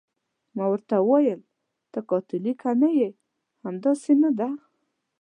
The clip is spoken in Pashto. ما ورته وویل: ته کاتولیکه نه یې، همداسې نه ده؟